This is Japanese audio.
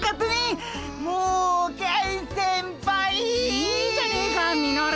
いいじゃねえかミノル。